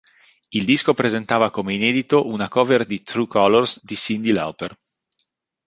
Il disco presentava come inedito una cover di "True Colors" di Cyndi Lauper.